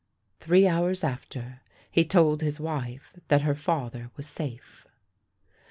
Three hours after he told his wife that her father was safe.